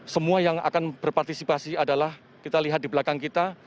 semua yang akan berpartisipasi adalah kita lihat di belakang kita